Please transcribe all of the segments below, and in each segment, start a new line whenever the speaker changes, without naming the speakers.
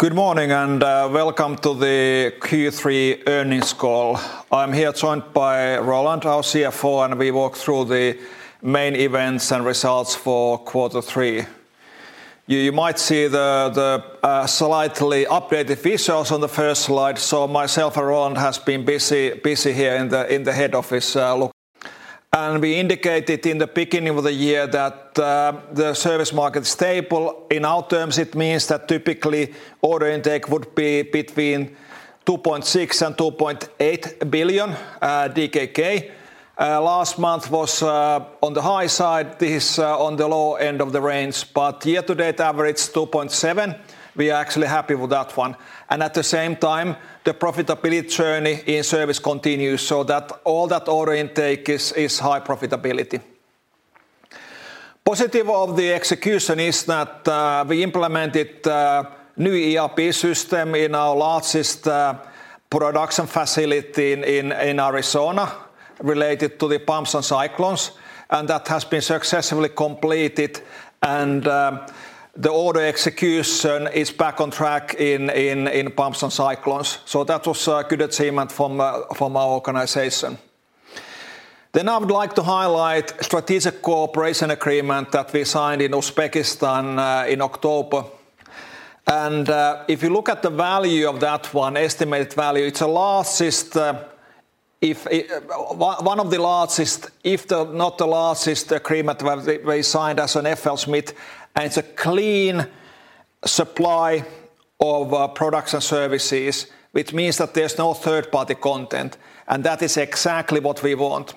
Good morning and welcome to the Q3 earnings call. I'm here joined by Roland, our CFO, and we walk through the main events and results for Q3. You might see the slightly updated visuals on the first slide. Myself and Roland have been busy here in the head office. We indicated in the beginning of the year that the service market is stable. In our terms, it means that typically order intake would be between 2.6 billion and 2.8 billion DKK. Last month was on the high side. This is on the low end of the range. Year-to-date average 2.7 billion. We are actually happy with that one. At the same time, the profitability journey in service continues so that all that order intake is high profitability. Positive of the execution is that we implemented a new ERP system in our largest production facility in Arizona related to the pumps and cyclones. And that has been successfully completed. And the order execution is back on track in pumps and cyclones. So that was a good achievement from our organization. Then I would like to highlight the strategic cooperation agreement that we signed in Uzbekistan in October. And if you look at the value of that one, estimated value, it is one of the largest, if not the largest, agreement we signed as an FLSmidth. And it is a clean supply of products and services, which means that there is no third-party content. And that is exactly what we want.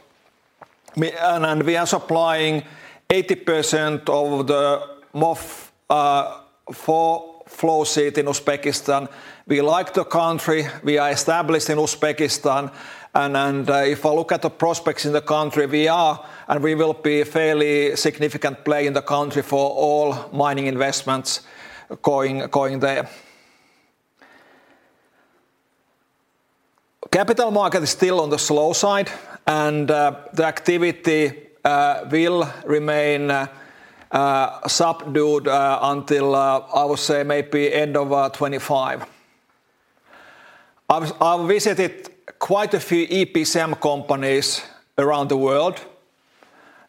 And we are supplying 80% of the MOF flow sheet in Uzbekistan. We like the country. We are established in Uzbekistan. If I look at the prospects in the country, we are and we will be a fairly significant player in the country for all mining investments going there. Capital market is still on the slow side. The activity will remain subdued until I would say maybe end of 2025. I've visited quite a few EPCM companies around the world,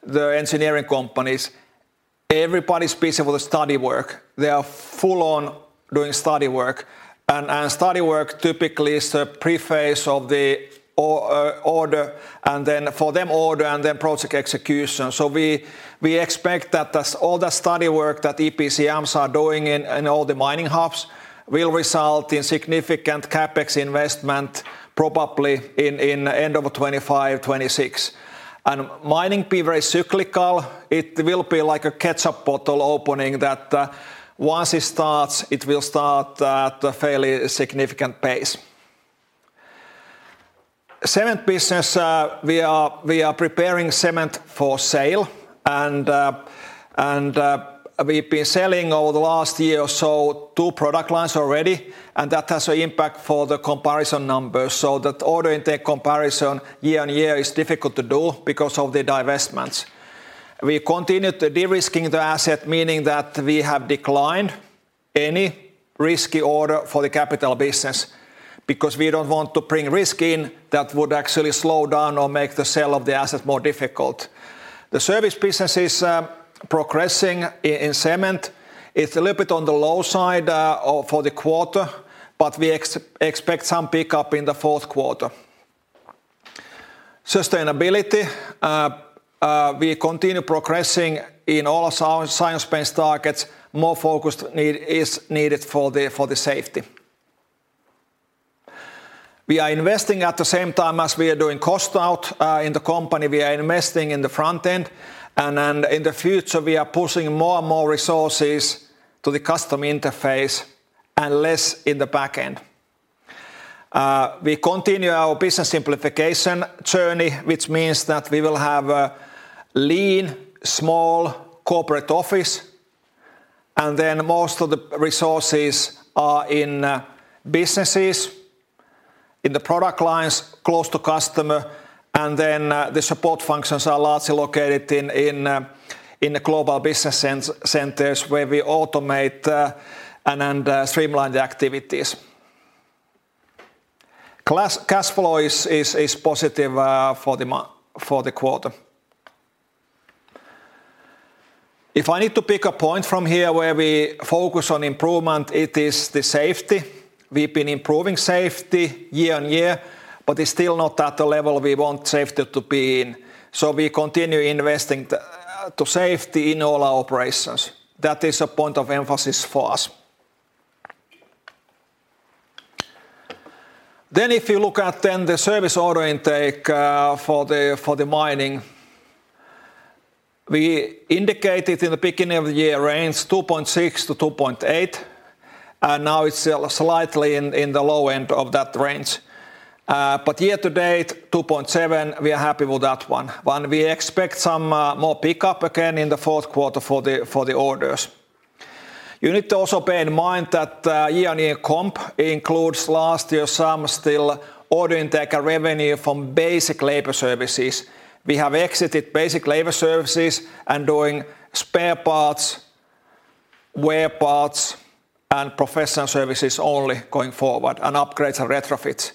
the engineering companies. Everybody's busy with the study work. They are full-on doing study work. Study work typically is the preface of the order and then for them order and then project execution. So we expect that all the study work that EPCMs are doing in all the mining hubs will result in significant CapEx investment probably in the end of 2025, 2026. Mining will be very cyclical. It will be like a ketchup bottle opening, that once it starts, it will start at a fairly significant pace. In the cement business, we are preparing cement for sale, and we've been selling over the last year or so two product lines already, and that has an impact for the comparison numbers, so that order intake comparison year on year is difficult to do because of the divestments. We continued the de-risking of the asset, meaning that we have declined any risky order for the capital business because we don't want to bring risk in that would actually slow down or make the sale of the asset more difficult. The service business is progressing in cement. It's a little bit on the low side for the quarter, but we expect some pickup in the fourth quarter. In sustainability, we continue progressing in all our science-based targets. More focus is needed for the safety. We are investing at the same time as we are doing cost out in the company. We are investing in the front end. And in the future, we are pushing more and more resources to the customer interface and less in the back end. We continue our business simplification journey, which means that we will have a lean, small corporate office. And then most of the resources are in businesses, in the product lines close to customer. And then the support functions are largely located in the global business centers where we automate and streamline the activities. Cash flow is positive for the quarter. If I need to pick a point from here where we focus on improvement, it is the safety. We've been improving safety year on year, but it's still not at the level we want safety to be in. We continue investing in safety in all our operations. That is a point of emphasis for us. If you look at the service order intake for the mining, we indicated in the beginning of the year range 2.6-2.8. And now it's slightly in the low end of that range. But year-to-date 2.7, we are happy with that one. But we expect some more pickup again in the fourth quarter for the orders. You need to also bear in mind that year-on-year comp includes last year's substantial order intake and revenue from basic labor services. We have exited basic labor services and doing spare parts, wear parts, and professional services only going forward and upgrades and retrofits.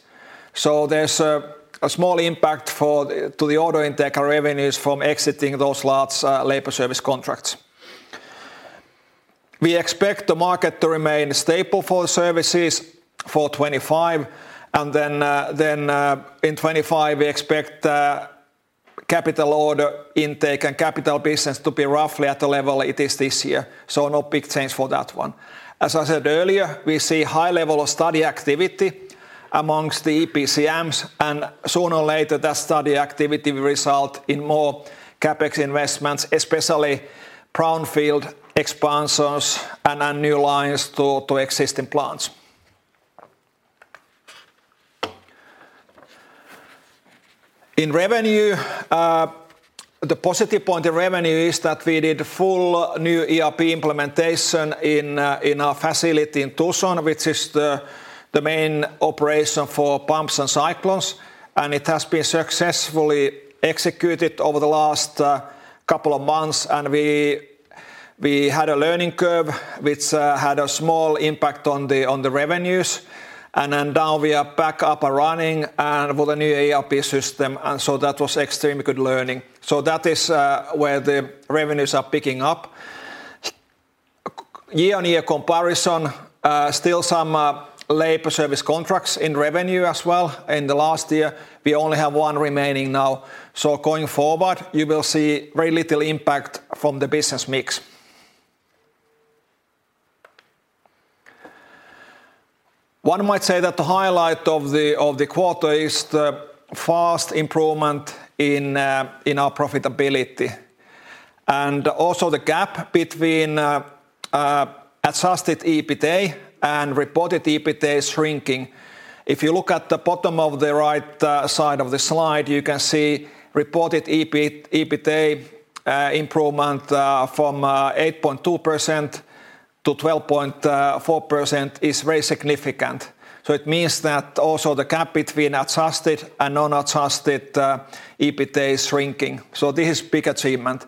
So there's a small impact to the order intake and revenues from exiting those large labor service contracts. We expect the market to remain stable for the services for 2025. And then in 2025, we expect capital order intake and capital business to be roughly at the level it is this year. So no big change for that one. As I said earlier, we see a high level of study activity among the EPCMs. And sooner or later, that study activity will result in more CapEx investments, especially brownfield expansions and new lines to existing plants. In revenue, the positive point in revenue is that we did full new ERP implementation in our facility in Tucson, which is the main operation for pumps and cyclones. And it has been successfully executed over the last couple of months. And we had a learning curve, which had a small impact on the revenues. And now we are back up and running with a new ERP system. So that was extremely good learning. So that is where the revenues are picking up. Year-on-year comparison, still some labor service contracts in revenue as well in the last year. We only have one remaining now. So going forward, you will see very little impact from the business mix. One might say that the highlight of the quarter is the fast improvement in our profitability. Also the gap between Adjusted EBITDA and reported EBITDA is shrinking. If you look at the bottom of the right side of the slide, you can see reported EBITDA improvement from 8.2%-12.4% is very significant. So it means that also the gap between adjusted and non-adjusted EBITDA is shrinking. So this is a big achievement.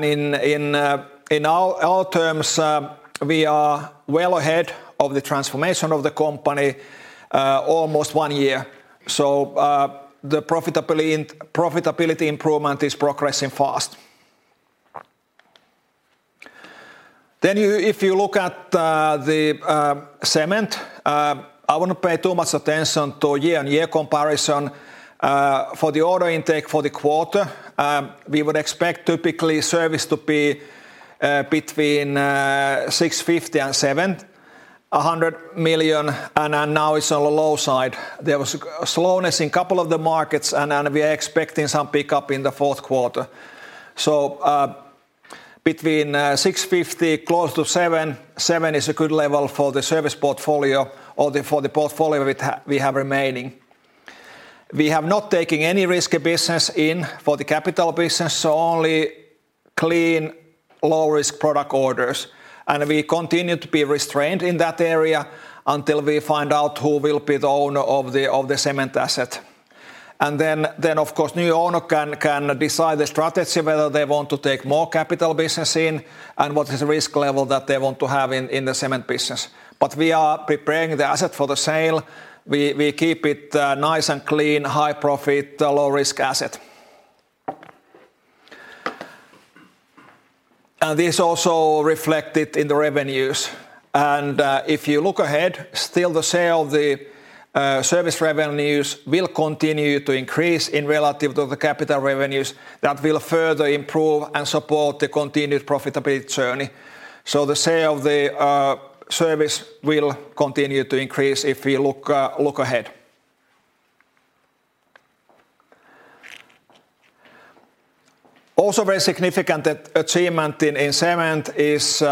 In our terms, we are well ahead of the transformation of the company almost one year. So the profitability improvement is progressing fast. Then if you look at the cement, I wouldn't pay too much attention to year-on-year comparison. For the order intake for the quarter, we would expect typically service to be between 650 million and 700 million. And now it's on the low side. There was slowness in a couple of the markets. And we are expecting some pickup in the fourth quarter. So between 650 million, close to 700 million, 700 million is a good level for the service portfolio or for the portfolio we have remaining. We have not taken any risky business in for the capital business, so only clean low-risk product orders. And we continue to be restrained in that area until we find out who will be the owner of the cement asset. Then, of course, new owner can decide the strategy, whether they want to take more capital business in and what is the risk level that they want to have in the cement business. We are preparing the asset for the sale. We keep it nice and clean, high profit, low risk asset. This is also reflected in the revenues. If you look ahead, still the sale of the service revenues will continue to increase relative to the capital revenues. That will further improve and support the continued profitability journey. The sale of the service will continue to increase if we look ahead. Also very significant achievement in cement is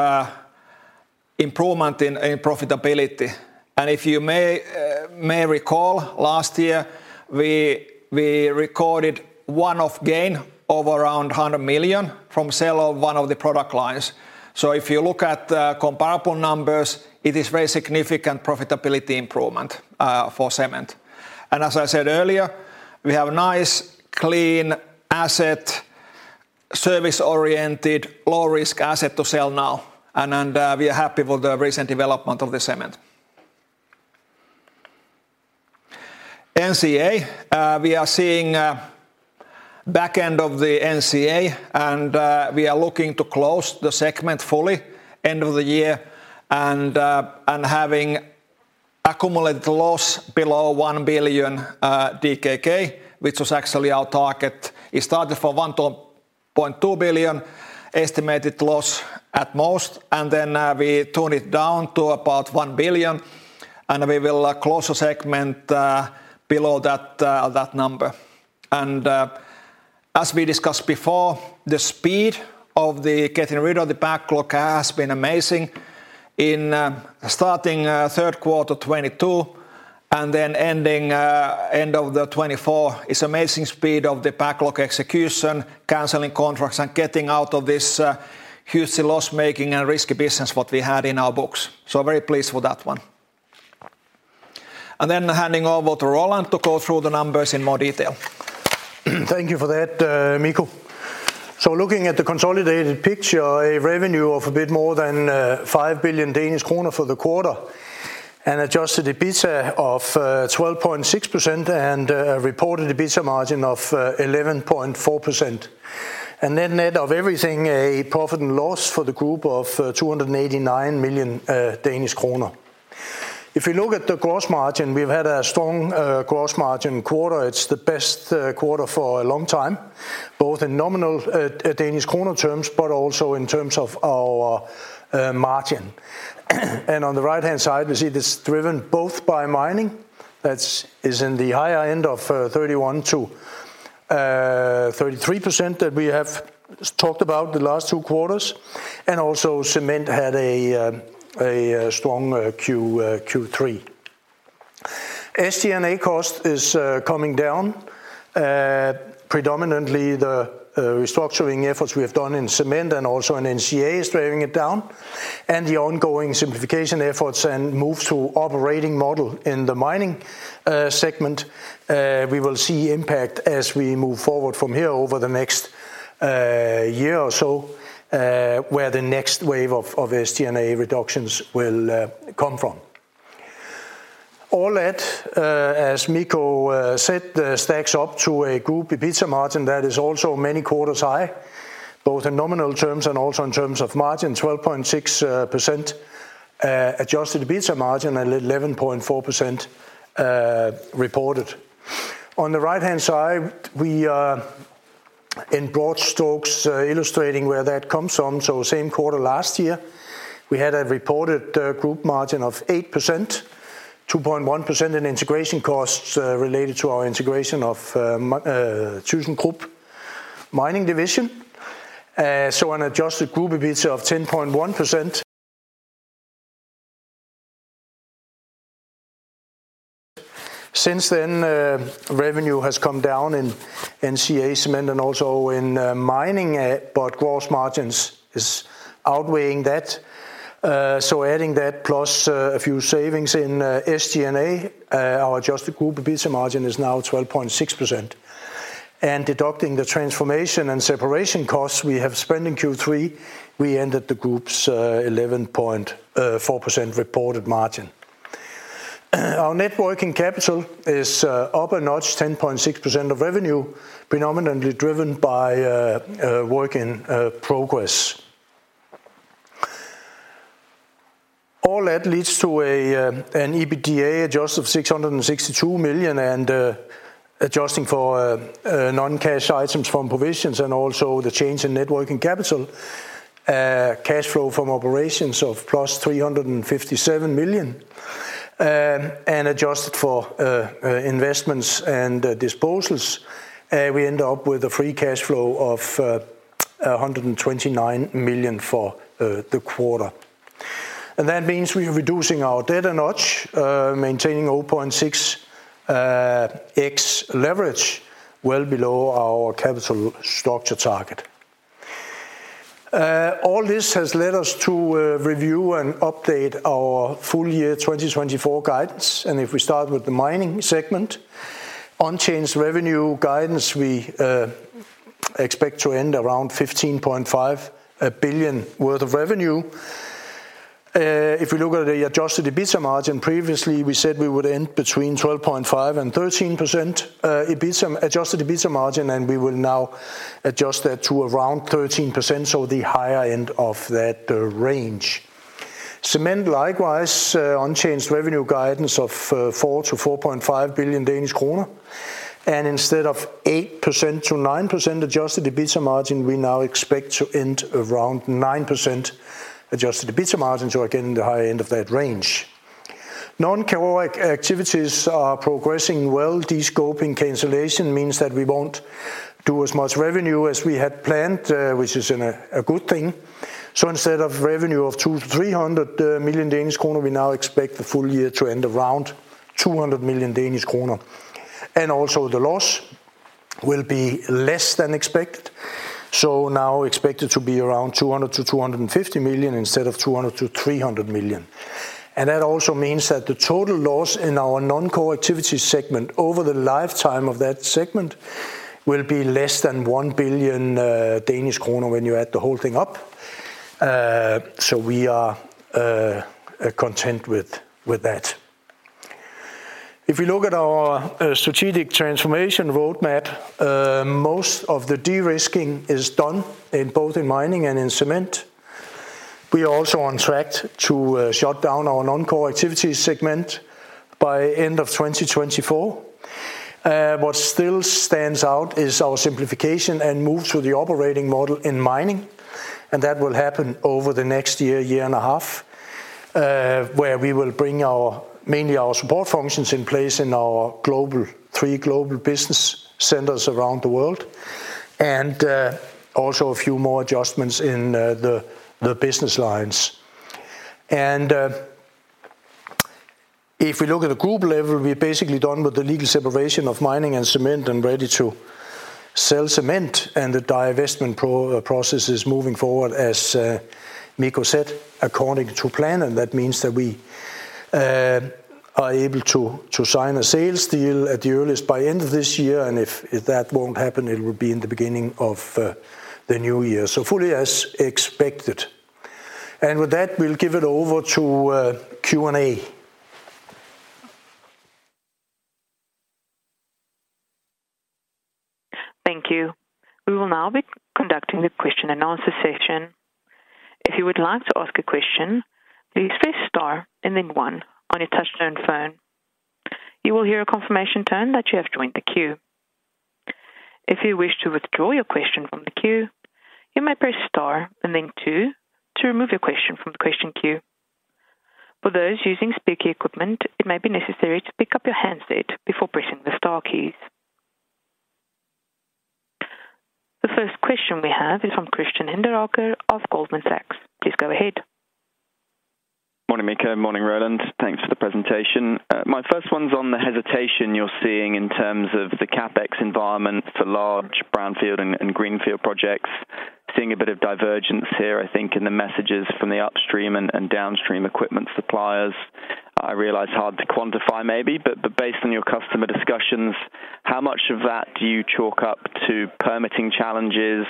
improvement in profitability. If you may recall, last year, we recorded one-off gain of around 100 million from sale of one of the product lines. So if you look at comparable numbers, it is very significant profitability improvement for cement. And as I said earlier, we have a nice clean asset, service-oriented, low-risk asset to sell now. And we are happy with the recent development of the cement. NCA, we are seeing back end of the NCA, and we are looking to close the segment fully end of the year and having accumulated loss below 1 billion DKK, which was actually our target. It started for 1.2 billion, estimated loss at most. And then we turned it down to about 1 billion. And we will close the segment below that number. And as we discussed before, the speed of getting rid of the backlog has been amazing in starting third quarter 2022 and then ending end of the 2024. It's amazing speed of the backlog execution, canceling contracts, and getting out of this hugely loss-making and risky business what we had in our books, so very pleased with that one, and then handing over to Roland to go through the numbers in more detail.
Thank you for that, Mikko, so looking at the consolidated picture, a revenue of a bit more than 5 billion Danish kroner for the quarter and adjusted EBITDA of 12.6% and reported EBITDA margin of 11.4%, and then net of everything, a profit and loss for the group of 289 million Danish kroner. If you look at the gross margin, we've had a strong gross margin quarter. It's the best quarter for a long time, both in nominal Danish kroner terms, but also in terms of our margin, and on the right-hand side, we see this driven both by mining. That is in the higher end of 31%-33% that we have talked about the last two quarters. And also cement had a strong Q3. SG&A cost is coming down. Predominantly, the restructuring efforts we have done in cement and also in NCA is driving it down. And the ongoing simplification efforts and move to operating model in the mining segment, we will see impact as we move forward from here over the next year or so where the next wave of SG&A reductions will come from. All that, as Mikko said, stacks up to a group EBITDA margin that is also many quarters high, both in nominal terms and also in terms of margin, 12.6% adjusted EBITDA margin and 11.4% reported. On the right-hand side, we are in broad strokes illustrating where that comes from. So same quarter last year, we had a reported group margin of 8%, 2.1% in integration costs related to our integration of ThyssenKrupp Mining Division. So an adjusted group EBITDA of 10.1%. Since then, revenue has come down in NCA cement and also in mining, but gross margins is outweighing that. So adding that plus a few savings in SG&A, our adjusted group EBITDA margin is now 12.6%. And deducting the transformation and separation costs we have spent in Q3, we ended the group's 11.4% reported margin. Our net working capital is up a notch, 10.6% of revenue, predominantly driven by work in progress. All that leads to an EBITDA adjusted of 662 million and adjusting for non-cash items from provisions and also the change in net working capital, cash flow from operations of plus 357 million. Adjusted for investments and disposals, we end up with a free cash flow of 129 million for the quarter. That means we are reducing our debt a notch, maintaining 0.6x leverage well below our capital structure target. All this has led us to review and update our full year 2024 guidance. If we start with the mining segment, unchanged revenue guidance, we expect to end around 15.5 billion worth of revenue. If we look at the adjusted EBITDA margin previously, we said we would end between 12.5-13% adjusted EBITDA margin, and we will now adjust that to around 13%, so the higher end of that range. Cement, likewise, unchanged revenue guidance of 4-4.5 billion Danish kroner. Instead of 8%-9% adjusted EBITDA margin, we now expect to end around 9% adjusted EBITDA margin, so again, the higher end of that range. Non-core activities are progressing well. Descoping cancellation means that we won't do as much revenue as we had planned, which is a good thing, so instead of revenue of 200 million-300 million Danish kroner, we now expect the full year to end around 200 million Danish kroner, and also the loss will be less than expected, so now expected to be around 200 million-250 million instead of 200 million-300 million. And that also means that the total loss in our non-core activity segment over the lifetime of that segment will be less than 1 billion Danish kroner when you add the whole thing up. We are content with that. If we look at our strategic transformation roadmap, most of the de-risking is done both in mining and in cement. We are also on track to shut down our non-core activity segment by end of 2024. What still stands out is our simplification and move to the operating model in mining. And that will happen over the next year, year and a half, where we will bring mainly our support functions in place in our three global business centers around the world. And also a few more adjustments in the business lines. And if we look at the group level, we're basically done with the legal separation of mining and cement and ready to sell cement. And the divestment process is moving forward, as Mikko said, according to plan. And that means that we are able to sign a sales deal at the earliest by end of this year. And if that won't happen, it will be in the beginning of the new year, so fully as expected. And with that, we'll give it over to Q&A. Thank you.
We will now be conducting the question and answer session. If you would like to ask a question, please press star and then one on your touch-tone phone. You will hear a confirmation tone that you have joined the queue. If you wish to withdraw your question from the queue, you may press star and then two to remove your question from the question queue. For those using speaker equipment, it may be necessary to pick up your handset before pressing the star keys. The first question we have is from Christian Hinderaker of Goldman Sachs. Please go ahead.
Morning, Mikko. Morning, Roland. Thanks for the presentation. My first one's on the hesitation you're seeing in terms of the CapEx environment for large brownfield and greenfield projects. Seeing a bit of divergence here, I think, in the messages from the upstream and downstream equipment suppliers. I realize, hard to quantify maybe, but based on your customer discussions, how much of that do you chalk up to permitting challenges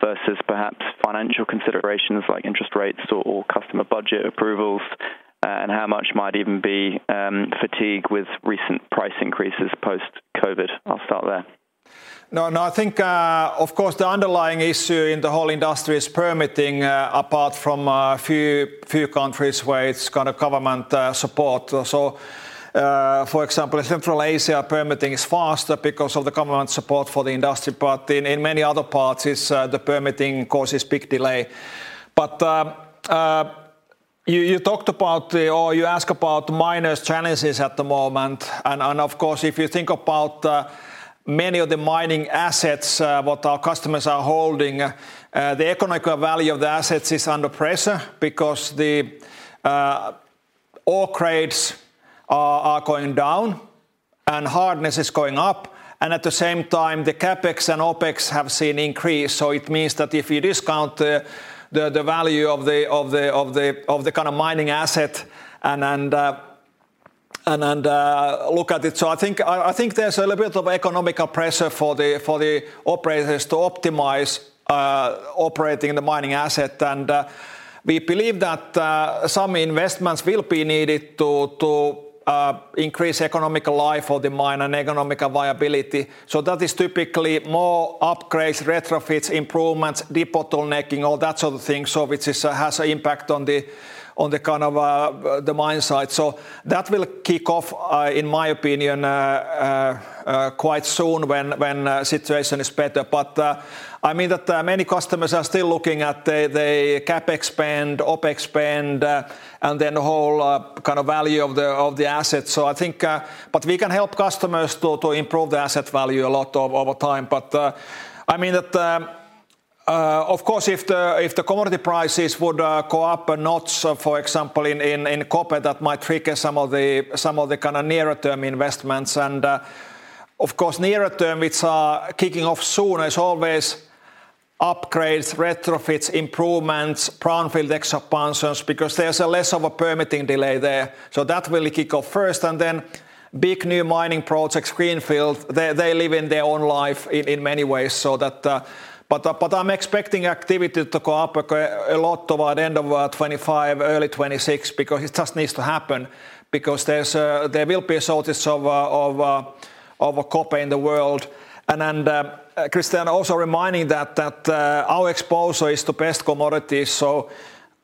versus perhaps financial considerations like interest rates or customer budget approvals? And how much might even be fatigue with recent price increases post-COVID? I'll start there.
No, no, I think, of course, the underlying issue in the whole industry is permitting, apart from a few countries where it's kind of government support. So, for example, Central Asia permitting is faster because of the government support for the industry. But in many other parts, the permitting causes big delay. But you talked about, or you asked about miners' challenges at the moment. And of course, if you think about many of the mining assets what our customers are holding, the economic value of the assets is under pressure because the ore grades are going down and hardness is going up. And at the same time, the CapEx and OpEx have seen increase. So it means that if you discount the value of the kind of mining asset and look at it, so I think there's a little bit of economic pressure for the operators to optimize operating the mining asset. And we believe that some investments will be needed to increase economic life of the mine and economic viability. So that is typically more upgrades, retrofits, improvements, debottlenecking, all that sort of thing, so which has an impact on the kind of the mine site. So that will kick off, in my opinion, quite soon when the situation is better. But I mean that many customers are still looking at the CapEx spend, OpEx spend, and then the whole kind of value of the asset. So I think, but we can help customers to improve the asset value a lot over time. But I mean that, of course, if the commodity prices would go up a notch, for example, in copper, that might trigger some of the kind of nearer-term investments. And of course, nearer-term, which are kicking off soon, is always upgrades, retrofits, improvements, brownfield expansions, because there's less of a permitting delay there. So that will kick off first. And then big new mining projects, greenfield, they live in their own life in many ways. But I'm expecting activity to go up a lot toward end of 2025, early 2026, because it just needs to happen, because there will be a shortage of copper in the world. Christian, also reminding that our exposure is to best commodities. So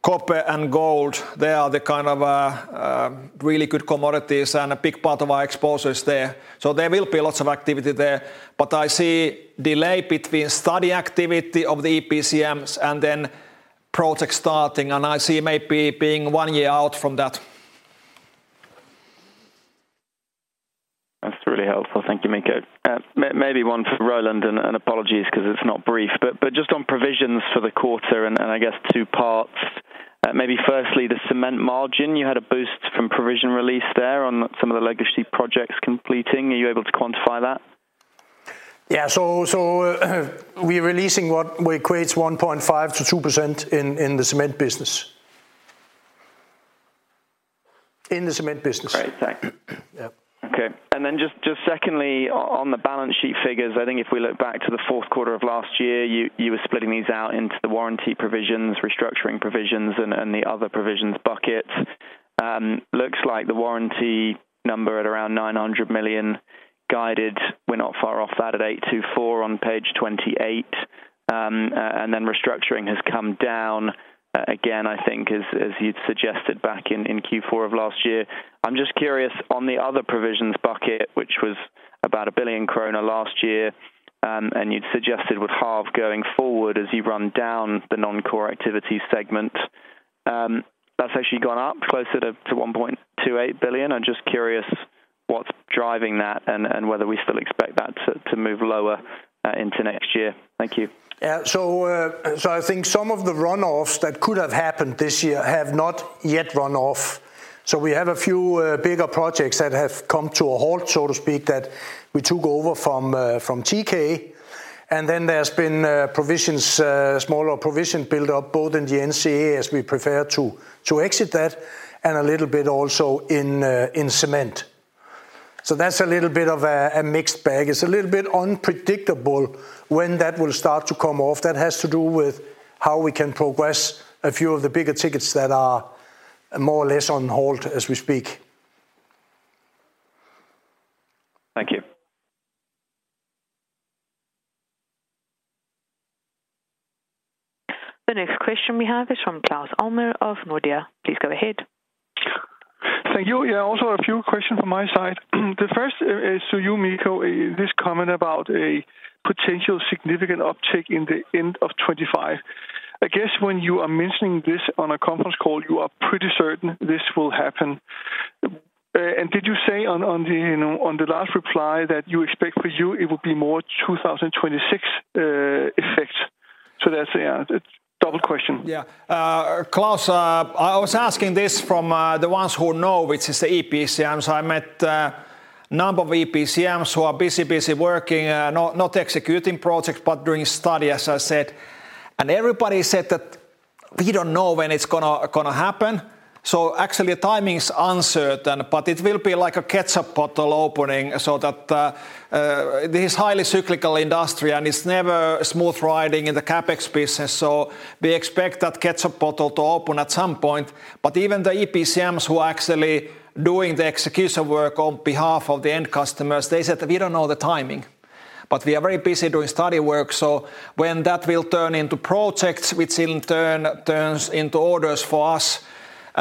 copper and gold, they are the kind of really good commodities, and a big part of our exposure is there. So there will be lots of activity there. But I see delay between study activity of the EPCMs and then project starting, and I see maybe being one year out from that. That's really helpful. Thank you, Mikko. Maybe one for Roland and apologies because it's not brief, but just on provisions for the quarter and I guess two parts. Maybe firstly, the cement margin, you had a boost from provision release there on some of the legacy projects completing. Are you able to quantify that? Yeah, so we're releasing what equates 1.5%-2% in the cement business. In the cement business.
Great, thanks. Okay. And then just secondly, on the balance sheet figures, I think if we look back to the fourth quarter of last year, you were splitting these out into the warranty provisions, restructuring provisions, and the other provisions buckets. Looks like the warranty number at around 900 million guided. We're not far off that at 824 million on page 28. And then restructuring has come down again, I think, as you'd suggested back in Q4 of last year. I'm just curious on the other provisions bucket, which was about 1 billion kroner last year, and you'd suggested with half going forward as you run down the non-core activity segment, that's actually gone up closer to 1.28 billion. I'm just curious what's driving that and whether we still expect that to move lower into next year. Thank you.
Yeah, so I think some of the runoffs that could have happened this year have not yet run off. So we have a few bigger projects that have come to a halt, so to speak, that we took over from TK. And then there's been provisions, smaller provision build-up both in the NCA as we prefer to exit that, and a little bit also in cement. So that's a little bit of a mixed bag. It's a little bit unpredictable when that will start to come off. That has to do with how we can progress a few of the bigger tickets that are more or less on hold as we speak.
Thank you.
The next question we have is from Claus Almer of Nordea. Please go ahead.
Thank you. Yeah, also a few questions from my side. The first is to you, Mikko, this comment about a potential significant uptick in the end of 2025. I guess when you are mentioning this on a conference call, you are pretty certain this will happen, and did you say on the last reply that you expect for you it would be more 2026 effect? So that's a double question.
Yeah. Claus, I was asking this from the ones who know, which is the EPCMs. I met a number of EPCMs who are busy, busy working, not executing projects, but doing study, as I said, and everybody said that we don't know when it's going to happen. Actually, the timing is uncertain, but it will be like a ketchup bottle opening. That is a highly cyclical industry, and it's never smooth riding in the CapEx business. We expect that ketchup bottle to open at some point. But even the EPCMs who are actually doing the execution work on behalf of the end customers, they said that we don't know the timing. But we are very busy doing study work. So when that will turn into projects, which in turn turns into orders for us,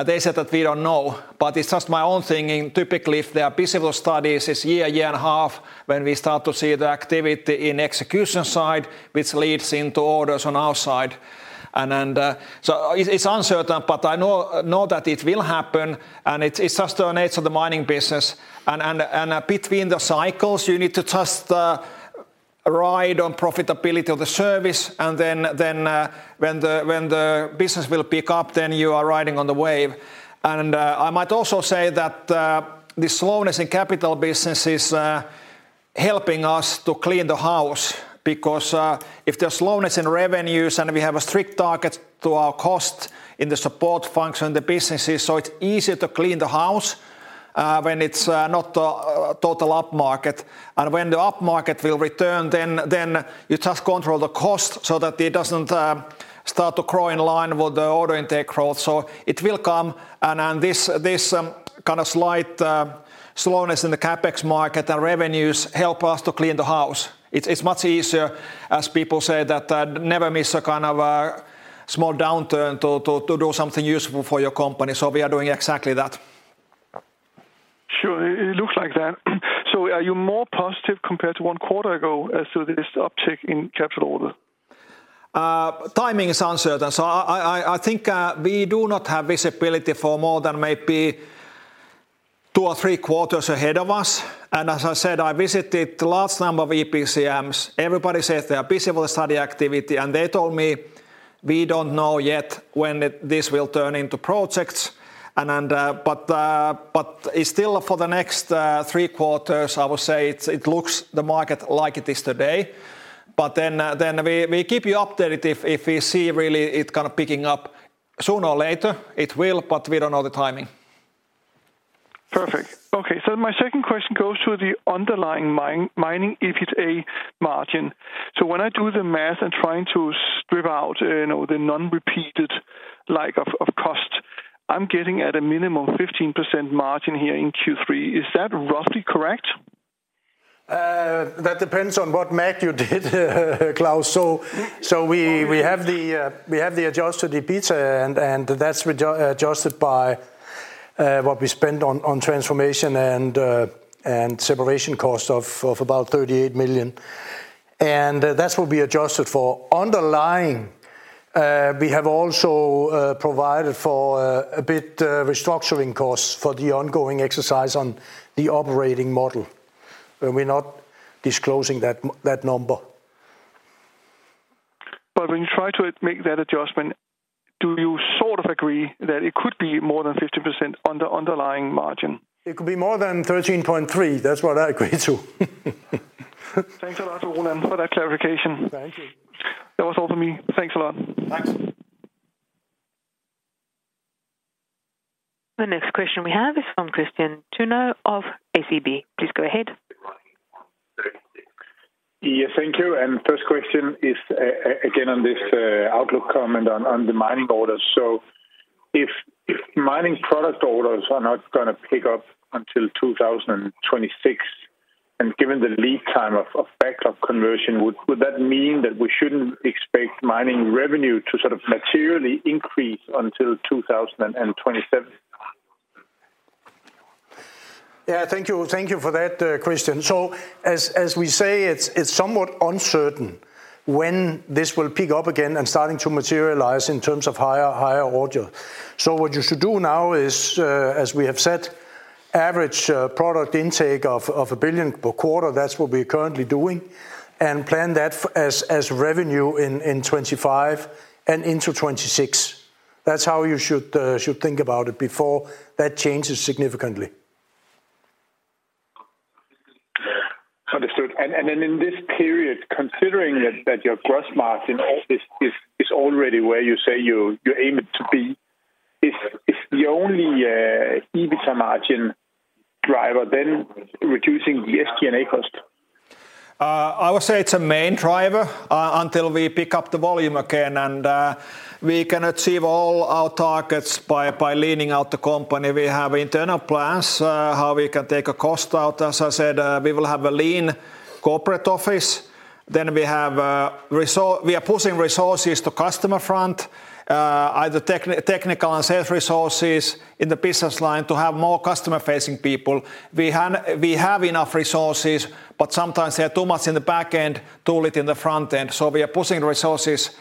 they said that we don't know. But it's just my own thinking. Typically, if there are visible studies, it's a year, year and a half when we start to see the activity in the execution side, which leads into orders on our side. And so it's uncertain, but I know that it will happen. And it's just the nature of the mining business. And between the cycles, you need to just ride on profitability of the service. And then when the business will pick up, then you are riding on the wave. And I might also say that the slowness in capital business is helping us to clean the house. Because if there's slowness in revenues and we have a strict target to our cost in the support function in the businesses, so it's easier to clean the house when it's not a total upmarket. And when the upmarket will return, then you just control the cost so that it doesn't start to crawl in line with the order intake growth. So it will come. And this kind of slight slowness in the CapEx market and revenues help us to clean the house. It's much easier, as people say, that never miss a kind of small downturn to do something useful for your company. So we are doing exactly that. Sure, it looks like that. So are you more positive compared to one quarter ago as to this uptick in capital order? Timing is uncertain. So I think we do not have visibility for more than maybe two or three quarters ahead of us. And as I said, I visited a large number of EPCMs. Everybody says they are busy with the study activity. And they told me we don't know yet when this will turn into projects. But still, for the next three quarters, I would say it looks the market like it is today. But then we keep you updated if we see really it kind of picking up sooner or later. It will, but we don't know the timing. Perfect. Okay, so my second question goes to the underlying mining, EPCM margin. So when I do the math and try to strip out the non-recurring like costs, I'm getting at a minimum 15% margin here in Q3. Is that roughly correct?
That depends on what math you did, Claus. So we have the adjusted EBITDA, and that's adjusted by what we spend on transformation and separation cost of about 38 million. And that's what we adjusted for. Underlying, we have also provided for a bit of restructuring costs for the ongoing exercise on the operating model. We're not disclosing that number. But when you try to make that adjustment, do you sort of agree that it could be more than 15% under underlying margin?
It could be more than 13.3%. That's what I agree to.
Thanks a lot, Roland, for that clarification. Thank you. That was all for me. Thanks a lot.
Thanks.
The next question we have is from Kristian Tornøe of SEB. Please go ahead. Yeah, thank you. And first question is again on this outlook comment on the mining orders. So if mining product orders are not going to pick up until 2026, and given the lead time of backlog conversion, would that mean that we shouldn't expect mining revenue to sort of materially increase until 2027?
Yeah, thank you for that, Khristian. So as we say, it's somewhat uncertain when this will pick up again and starting to materialize in terms of higher order. So what you should do now is, as we have said, average product intake of 1 billion per quarter. That's what we're currently doing. And plan that as revenue in 2025 and into 2026. That's how you should think about it before that changes significantly.
Understood. And then in this period, considering that your gross margin is already where you say you aim it to be, is the only EBITDA margin driver then reducing the SG&A cost?
I would say it's a main driver until we pick up the volume again and we can achieve all our targets by leaning out the company. We have internal plans how we can take a cost out. As I said, we will have a lean corporate office. Then we are pushing resources to customer front, either technical and sales resources in the business line to have more customer-facing people. We have enough resources, but sometimes they are too much in the backend to lead in the frontend. So we are pushing resources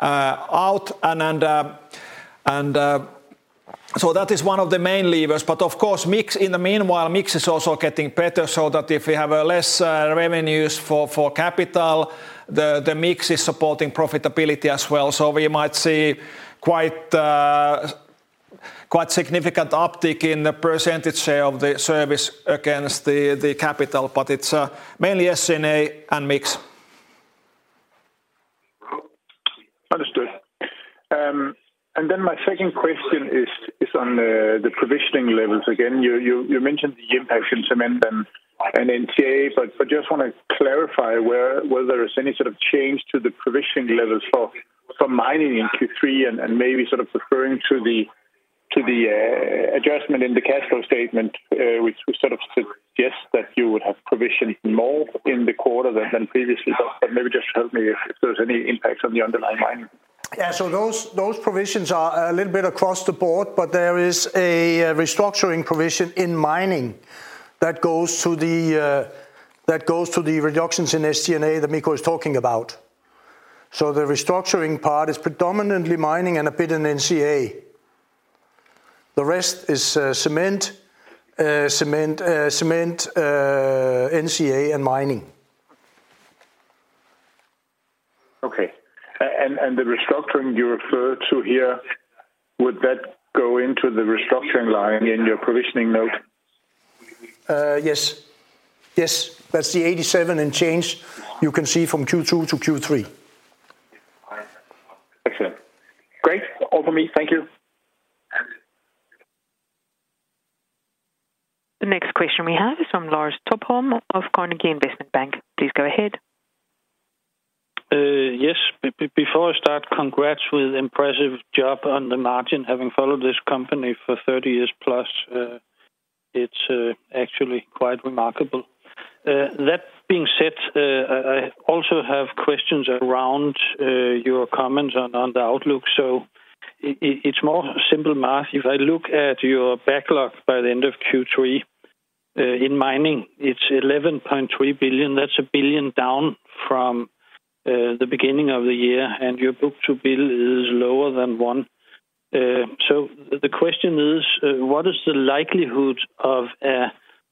out. And so that is one of the main levers. But of course, in the meanwhile, mix is also getting better so that if we have less revenues for capital, the mix is supporting profitability as well. So we might see quite significant uptick in the percentage share of the service against the capital, but it's mainly SG&A and mix.
Understood. And then my second question is on the provisioning levels. Again, you mentioned the impact in cement and NCA, but I just want to clarify whether there is any sort of change to the provisioning levels for mining in Q3 and maybe sort of referring to the adjustment in the cash flow statement, which sort of suggests that you would have provisioned more in the quarter than previously. But maybe just help me if there's any impact on the underlying mining.
Yeah, so those provisions are a little bit across the board, but there is a restructuring provision in mining that goes to the reductions in SG&A that Mikko is talking about. So the restructuring part is predominantly mining and a bit in NCA.
The rest is cement, NCA, and mining. Okay. And the restructuring you refer to here, would that go into the restructuring line in your provisioning note?
Yes. Yes. That's the 87 and change. You can see from Q2 to Q3.
Excellent. Great. All for me. Thank you.
The next question we have is from Lars Topholm of Carnegie Investment Bank. Please go ahead.
Yes. Before I start, congrats with impressive job on the margin. Having followed this company for 30 years plus, it's actually quite remarkable. That being said, I also have questions around your comments on the outlook. So it's more simple math. If I look at your backlog by the end of Q3 in mining, it's 11.3 billion. That's a billion down from the beginning of the year, and your book to bill is lower than one.
So the question is, what is the likelihood of a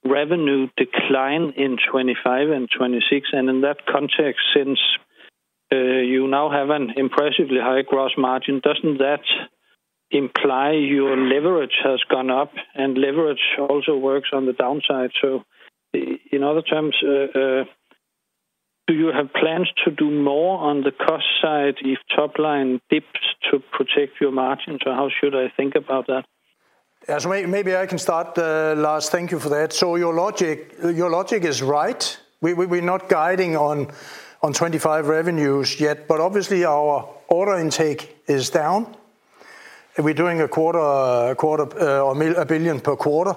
revenue decline in 2025 and 2026? And in that context, since you now have an impressively high gross margin, doesn't that imply your leverage has gone up? And leverage also works on the downside. So in other terms, do you have plans to do more on the cost side if top line dips to protect your margins? Or how should I think about that? Maybe I can start, Lars. Thank you for that. So your logic is right. We're not guiding on 2025 revenues yet, but obviously our order intake is down. We're doing 250 million per quarter.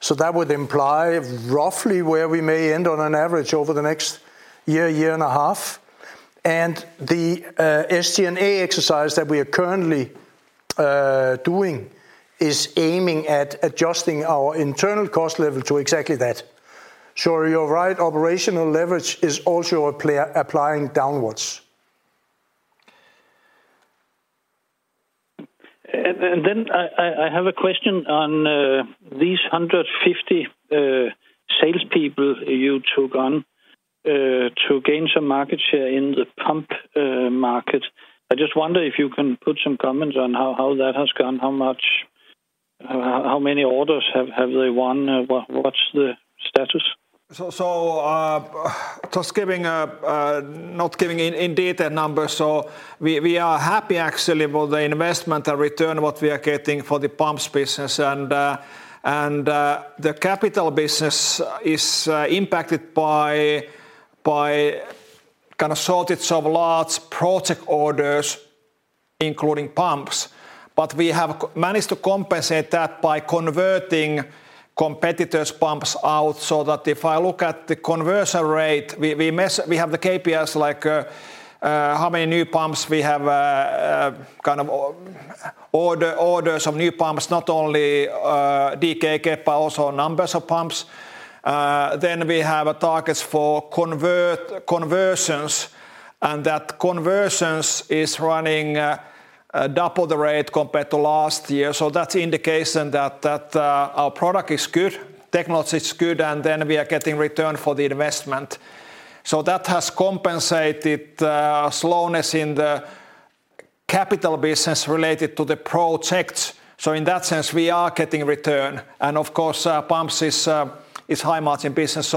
So that would imply roughly where we may end on an average over the next year, year and a half. And the SG&A exercise that we are currently doing is aiming at adjusting our internal cost level to exactly that. So you're right, operational leverage is also applying downwards. And then I have a question on these 150 salespeople you took on to gain some market share in the pump market. I just wonder if you can put some comments on how that has gone, how many orders have they won, what's the status?
So just not giving any data numbers. So we are happy actually with the investment and return what we are getting for the pumps business. And the capital business is impacted by kind of shortage of large project orders, including pumps. We have managed to compensate that by converting competitors' pumps out so that if I look at the conversion rate, we have the KPIs like how many new pumps we have kind of orders of new pumps, not only DKK, KEP, but also numbers of pumps. Then we have targets for conversions. That conversions is running double the rate compared to last year. That's an indication that our product is good, technology is good, and then we are getting return for the investment. That has compensated slowness in the capital business related to the projects. In that sense, we are getting return. Of course, pumps is a high-margin business.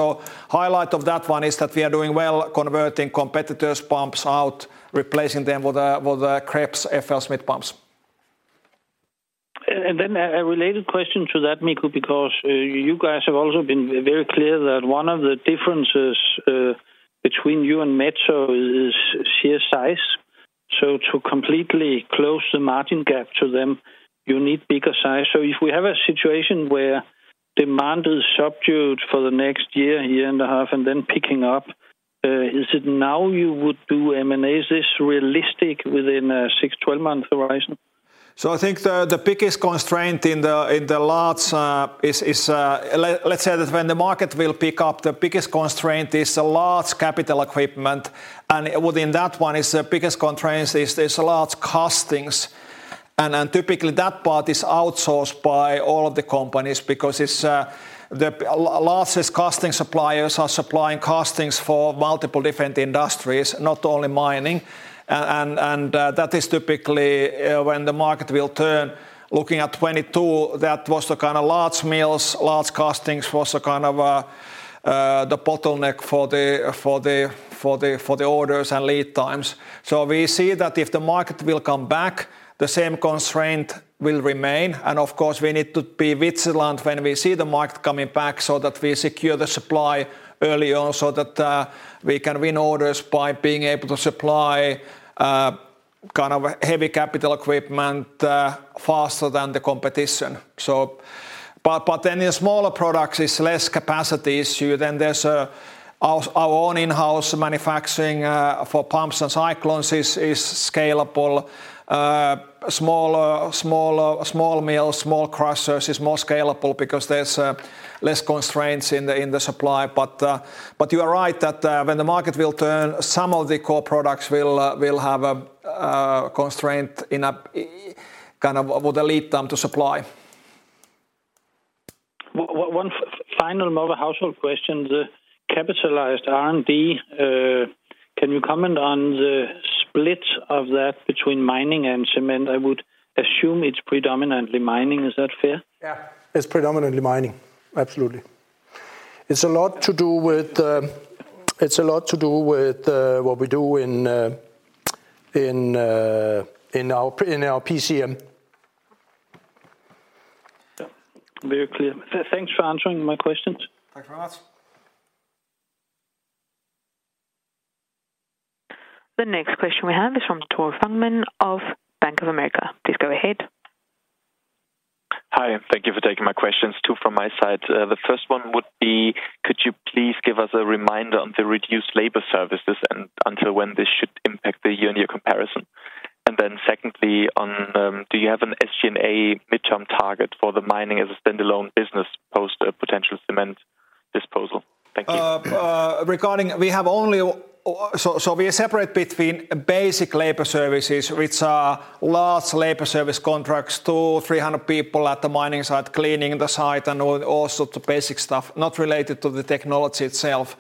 Highlight of that one is that we are doing well converting competitors' pumps out, replacing them with the Krebs FLSmidth pumps.
And then a related question to that, Mikko, because you guys have also been very clear that one of the differences between you and Metso is sheer size. So to completely close the margin gap to them, you need bigger size. So if we have a situation where demand is subdued for the next year, year and a half, and then picking up, is it now you would do M&As? Is this realistic within a 6-12 month horizon?
So I think the biggest constraint in the large is, let's say that when the market will pick up, the biggest constraint is a large capital equipment. And within that one, the biggest constraint is large castings. And typically that part is outsourced by all of the companies because the largest casting suppliers are supplying castings for multiple different industries, not only mining. And that is typically when the market will turn. Looking at 2022, that was the kind of large mills, large castings was the kind of the bottleneck for the orders and lead times, so we see that if the market will come back, the same constraint will remain, and of course, we need to be vigilant when we see the market coming back so that we secure the supply early on so that we can win orders by being able to supply kind of heavy capital equipment faster than the competition, but then in smaller products, it's less capacity issue, then our own in-house manufacturing for pumps and cyclones is scalable. Small mills, small crushers is more scalable because there's less constraints in the supply, but you are right that when the market will turn, some of the core products will have a constraint in kind of what the lead time to supply.
One final more household question. The capitalized R&D, can you comment on the split of that between mining and cement? I would assume it's predominantly mining. Is that fair?
Yeah, it's predominantly mining. Absolutely. It's a lot to do with what we do in our PCM.
Very clear. Thanks for answering my questions.
Thanks very much.
The next question we have is from Tore Fangmann of Bank of America. Please go ahead.
Hi. Thank you for taking my questions. Two from my side. The first one would be, could you please give us a reminder on the reduced labor services and until when this should impact the year-on-year comparison? And then secondly, do you have an SG&A midterm target for the mining as a standalone business post a potential cement disposal? Thank you.
We have only, so we are separate between basic labor services, which are large labor service contracts, 200-300 people at the mining site, cleaning the site, and all sorts of basic stuff, not related to the technology itself.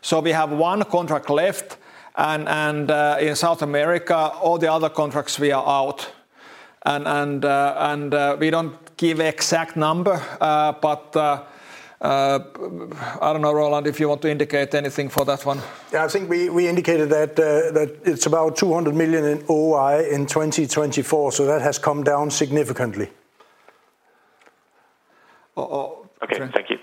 So we have one contract left. And in South America, all the other contracts we are out. And we don't give an exact number, but I don't know, Roland, if you want to indicate anything for that one.
Yeah, I think we indicated that it's about 200 million in OI in 2024. So that has come down significantly.
Okay, thank you.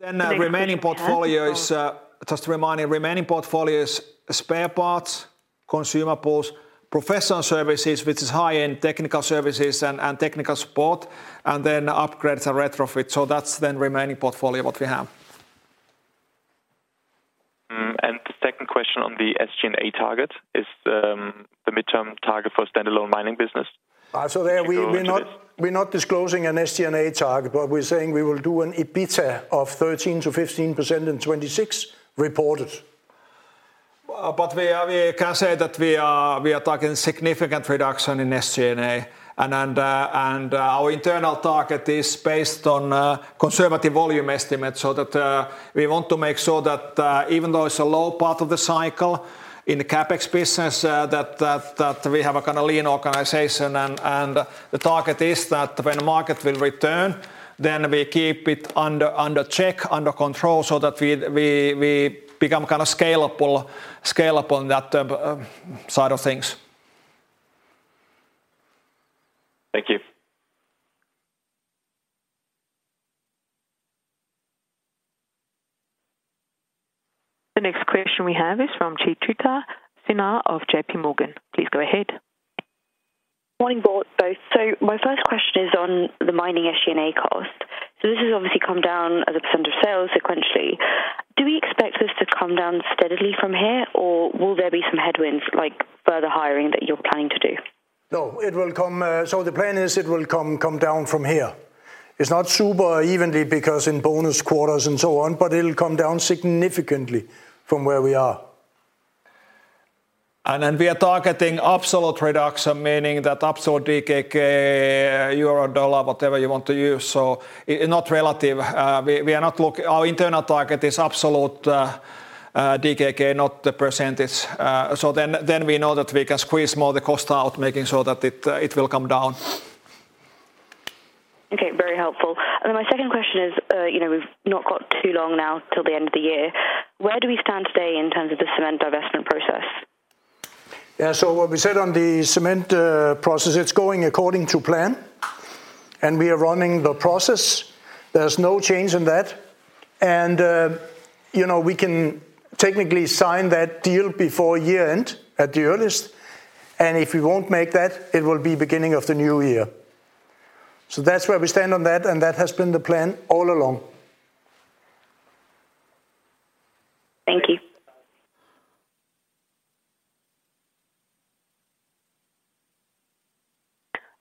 Then remaining portfolios, just to remind you, remaining portfolios, spare parts, consumables, professional services, which is high-end technical services and technical support, and then upgrades and retrofits. So that's then remaining portfolio what we have.
And second question on the SG&A target, is the midterm target for standalone mining business?
So we're not disclosing an SG&A target, but we're saying we will do an EBITDA of 13%-15% in 2026 reported. But we can say that we are targeting a significant reduction in SG&A. And our internal target is based on conservative volume estimates. So that we want to make sure that even though it's a low part of the cycle in the CapEx business, that we have a kind of lean organization. And the target is that when the market will return, then we keep it under check, under control so that we become kind of scalable in that side of things.
Thank you.
The next question we have is from Chitrita Sinha of J.P. Morgan. Please go ahead.
Morning board both. So my first question is on the mining SG&A cost. So this has obviously come down as a % of sales sequentially.
Do we expect this to come down steadily from here, or will there be some headwinds like further hiring that you're planning to do? No, it will come. So the plan is it will come down from here. It's not super evenly because in bonus quarters and so on, but it'll come down significantly from where we are. And then we are targeting absolute reduction, meaning that absolute DKK, euro, dollar, whatever you want to use. So it's not relative. Our internal target is absolute DKK, not the percentage. So then we know that we can squeeze more of the cost out, making sure that it will come down.
Okay, very helpful. And then my second question is, we've not got too long now till the end of the year. Where do we stand today in terms of the cement divestment process?
Yeah, so what we said on the cement process, it's going according to plan. And we are running the process. There's no change in that. And we can technically sign that deal before year-end at the earliest. And if we won't make that, it will be beginning of the new year. So that's where we stand on that. And that has been the plan all along.
Thank you.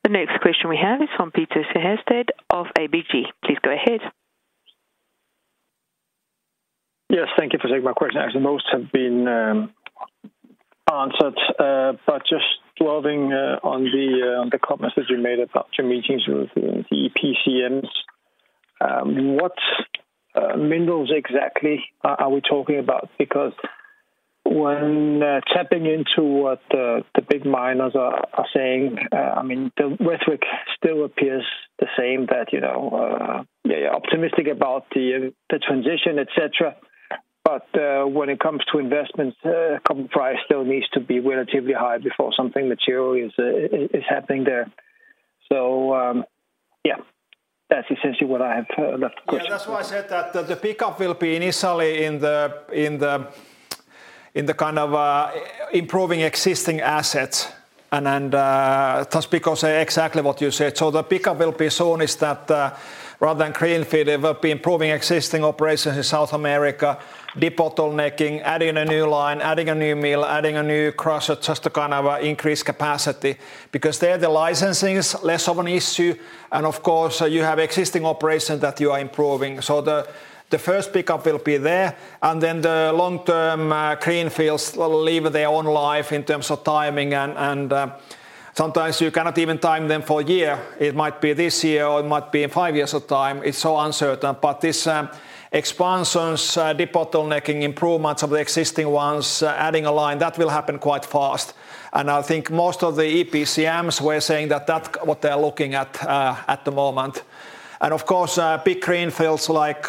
The next question we have is from Peter Sehested of ABG. Please go ahead.
Yes, thank you for taking my question. Most have been answered. But just dwelling on the comments that you made about your meetings with the EPCMs, what minerals exactly are we talking about? Because when tapping into what the big miners are saying, I mean, the rhetoric still appears the same that you're optimistic about the transition, etc.But when it comes to investments, the copper price still needs to be relatively high before something material is happening there. So yeah, that's essentially what I have left of the question.
That's why I said that the pickup will be initially in the kind of improving existing assets. And that's because exactly what you said. So the pickup will be soon. That is, rather than greenfield, it will be improving existing operations in South America, debottlenecking, adding a new line, adding a new mill, adding a new crusher, just to kind of increase capacity. Because there, the licensing is less of an issue. And of course, you have existing operations that you are improving. So the first pickup will be there. And then the long-term greenfields will live their own life in terms of timing. And sometimes you cannot even time them for a year. It might be this year or it might be in five years of time. It's so uncertain. But these expansions, deep bottlenecking, improvements of the existing ones, adding a line, that will happen quite fast. And I think most of the EPCMs were saying that that's what they're looking at at the moment. And of course, big greenfields like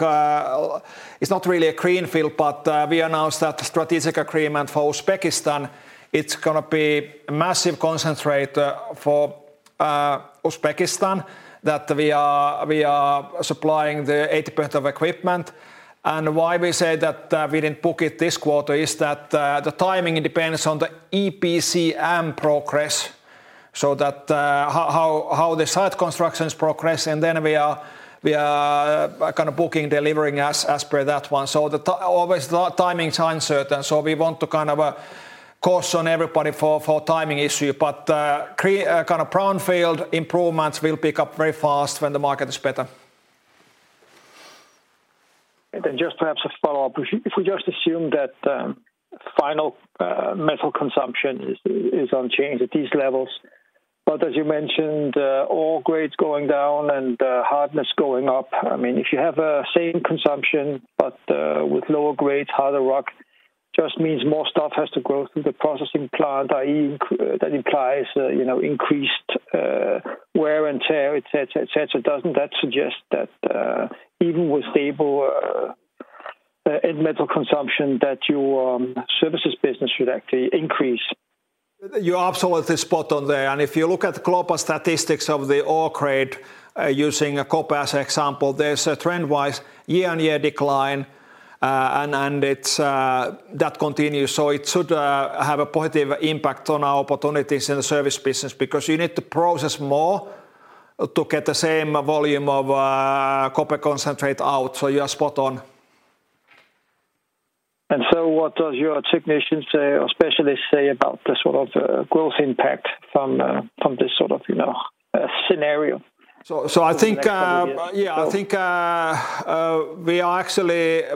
it's not really a greenfield, but we announced that strategic agreement for Uzbekistan. It's going to be a massive concentrator for Uzbekistan that we are supplying the 80% of equipment. And why we say that we didn't book it this quarter is that the timing depends on the EPCM progress. So that's how the site construction is progressing. And then we are kind of booking delivering as per that one. So obviously, timing is uncertain. So we want to kind of caution everybody for timing issue. But kind of brownfield improvements will pick up very fast when the market is better.
And then just perhaps a follow-up. If we just assume that final metal consumption is unchanged at these levels, but as you mentioned, all grades going down and hardness going up, I mean, if you have the same consumption, but with lower grades, harder rock, just means more stuff has to go through the processing plant, i.e., that implies increased wear and tear, etc. Doesn't that suggest that even with stable end metal consumption, that your services business should actually increase?
You're absolutely spot on there. And if you look at global statistics of the ore grade using copper as an example, there's a trend-wise year-on-year decline. And that continues. It should have a positive impact on our opportunities in the service business because you need to process more to get the same volume of copper concentrate out. So you're spot on. And so what does your technician say or specialist say about this sort of growth impact from this sort of scenario? So I think, yeah, I think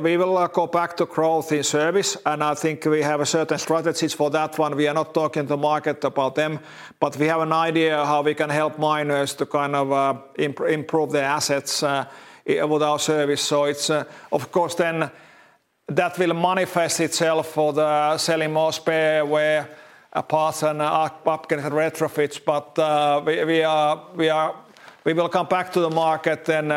we will go back to growth in service. And I think we have certain strategies for that one. We are not talking to the market about them, but we have an idea how we can help miners to kind of improve their assets with our service. So it's, of course, then that will manifest itself for selling more spare wear, parts and upgrades and retrofits. But we will come back to the market then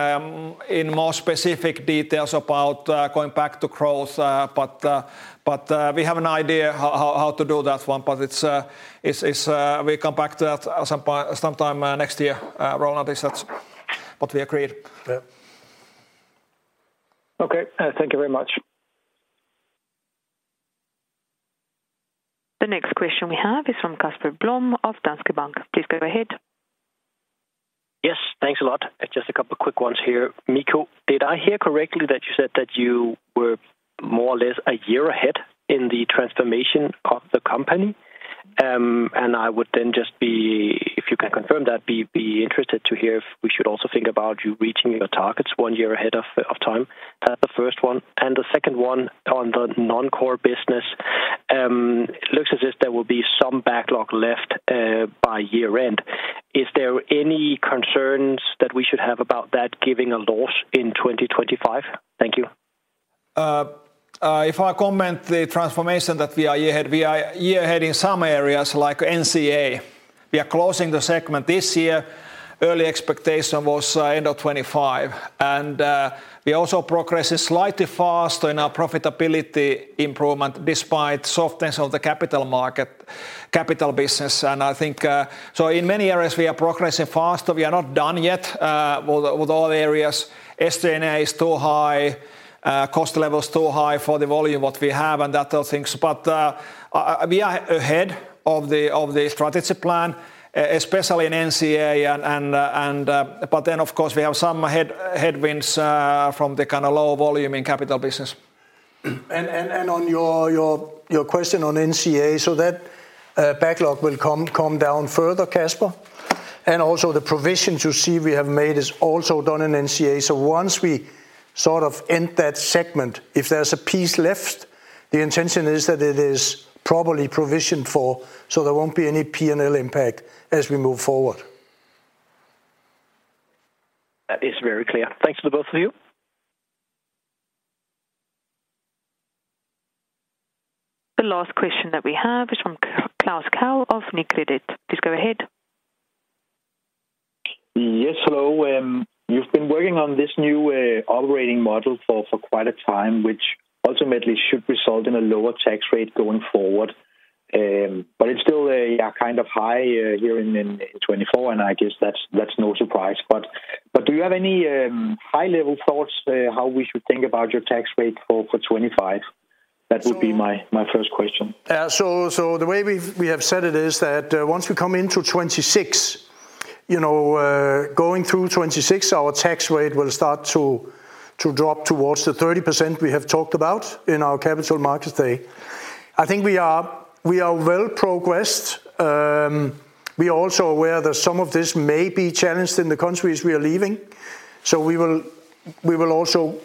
in more specific details about going back to growth. But we have an idea how to do that one. But we come back to that sometime next year. Roland, is that what we agreed?
Yeah.
Okay. Thank you very much.
The next question we have is from Casper Blom of Danske Bank. Please go ahead.
Yes, thanks a lot. Just a couple of quick ones here. Mikko, did I hear correctly that you said that you were more or less a year ahead in the transformation of the company? And I would then just be, if you can confirm that, be interested to hear if we should also think about you reaching your targets one year ahead of time. That's the first one. And the second one on the non-core business, it looks as if there will be some backlog left by year-end. Is there any concerns that we should have about that giving a loss in 2025? Thank you.
If I comment on the transformation that we are year ahead, we are year ahead in some areas like NCA. We are closing the segment this year. Early expectation was end of 2025. We also progressed slightly faster in our profitability improvement despite softness of the capital market, capital business. I think, so in many areas, we are progressing faster. We are not done yet with all the areas. SG&A is too high. Cost level is too high for the volume what we have and that sort of things. We are ahead of the strategy plan, especially in NCA. Then, of course, we have some headwinds from the kind of low volume in capital business.
On your question on NCA, so that backlog will come down further, Casper? Also the provision that we have made is also done in NCA. So once we sort of end that segment, if there's a piece left, the intention is that it is properly provisioned for so there won't be any P&L impact as we move forward.
That is very clear. Thanks to the both of you.
The last question that we have is from Klaus Kehl of Nykredit. Please go ahead.
Yes, hello. You've been working on this new operating model for quite a time, which ultimately should result in a lower tax rate going forward. But it's still kind of high here in 2024, and I guess that's no surprise. But do you have any high-level thoughts how we should think about your tax rate for 2025? That would be my first question.
The way we have said it is that once we come into 2026, going through 2026, our tax rate will start to drop towards the 30% we have talked about in our capital markets day. I think we are well progressed. We are also aware that some of this may be challenged in the countries we are leaving. So we will also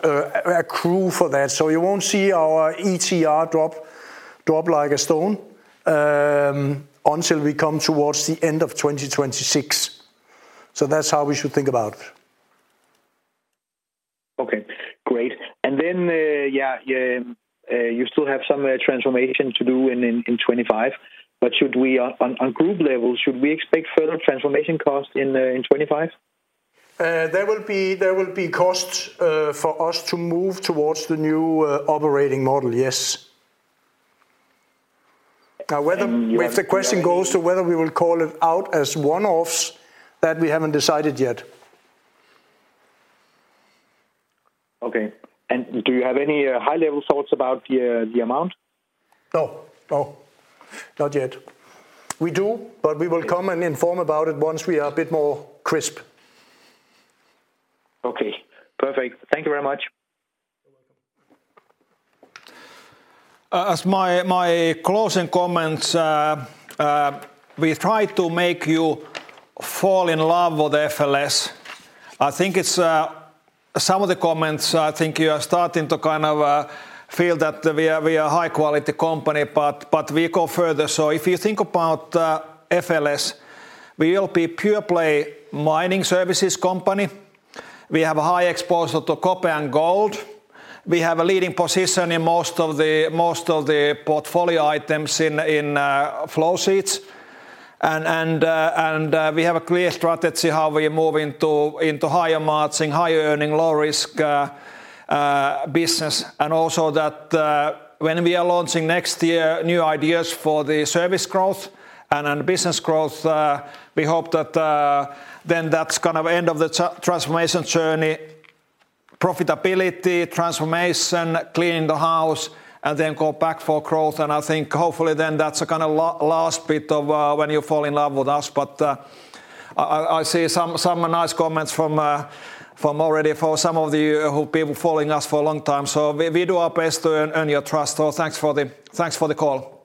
accrue for that. So you won't see our ETR drop like a stone until we come towards the end of 2026. So that's how we should think about it.
Okay, great. And then, yeah, you still have some transformation to do in 2025. But on group level, should we expect further transformation costs in 2025?
There will be costs for us to move towards the new operating model, yes. Now, whether the question goes to whether we will call it out as one-offs, that we haven't decided yet. Okay.
And do you have any high-level thoughts about the amount?
No. No. Not yet. We do, but we will come and inform about it once we are a bit more crisp.
Okay. Perfect. Thank you very much. You're welcome.
As my closing comments, we tried to make you fall in love with FLS. I think some of the comments, I think you are starting to kind of feel that we are a high-quality company, but we go further. So if you think about FLS, we will be a pure-play mining services company. We have a high exposure to copper and gold. We have a leading position in most of the portfolio items in flow sheets. And we have a clear strategy how we are moving to higher-margin, higher-earning, low-risk business. And also that when we are launching next year new ideas for the service growth and business growth, we hope that then that's kind of end of the transformation journey, profitability, transformation, cleaning the house, and then go back for growth. And I think hopefully then that's a kind of last bit of when you fall in love with us. But I see some nice comments already from some of the people following us for a long time. So we do our best to earn your trust. So thanks for the call.